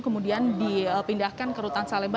kemudian dipindahkan ke rutan salemba